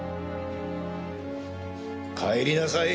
帰りなさい。